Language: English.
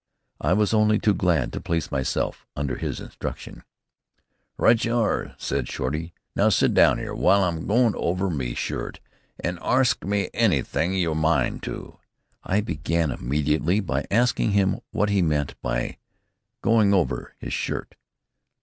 I was only too glad to place myself under his instruction. "Right you are!" said Shorty; "now, sit down 'ere w'ile I'm goin' over me shirt, an' arsk me anything yer a mind to." I began immediately by asking him what he meant by "going over" his shirt.